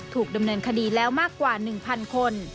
ถูกดำเนินคดีแล้วมากกว่า๑๐๐คน